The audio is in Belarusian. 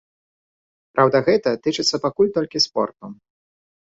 Праўда, гэта тычыцца пакуль толькі спорту.